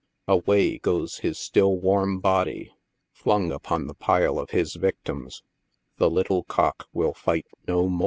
Away goes his still warm body, flung upon the pile of his victims — the little cock will fight no more!